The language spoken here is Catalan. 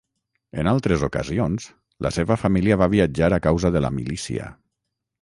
En altres ocasions, la seva família va viatjar a causa de la milícia.